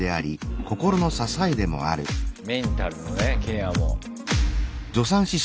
メンタルのねケアも。